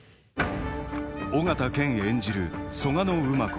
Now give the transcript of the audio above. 緒形拳演じる蘇我馬子。